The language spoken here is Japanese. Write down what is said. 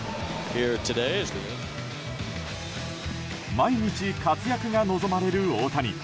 毎日活躍が望まれる大谷。